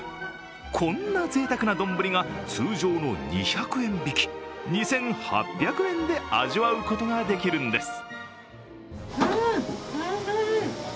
こんなぜいたくな丼が通常の２００円引き、２８００円で味わうことができるんです。